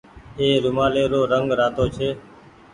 اي رومآلي رو رنگ رآتو ڇي۔